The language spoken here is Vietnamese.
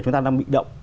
chúng ta đang bị động